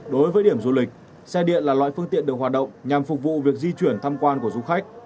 đối với điểm du lịch xe điện là loại phương tiện được hoạt động nhằm phục vụ việc di chuyển tham quan của du khách